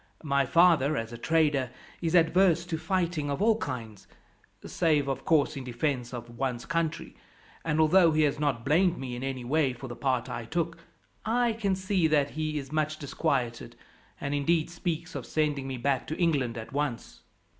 My father, as a trader, is adverse to fighting of all kinds save, of course, in defence of one's country; and although he has not blamed me in any way for the part I took, I can see that he is much disquieted, and indeed speaks of sending me back to England at once."